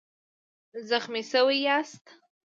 زخمي شوی یاست؟